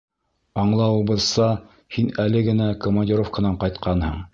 Аңлауыбыҙса, һин әле генә командировканан ҡайтҡанһың...